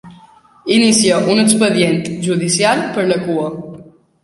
Inicia un expedient judicial per la cua.